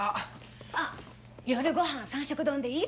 あっ夜ご飯三色丼でいい？